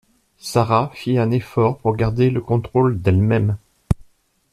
Sara fit un effort pour garder le contrôle d’elle-même.